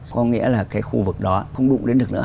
có nghĩa là cái khu vực đó không đụng đến được nữa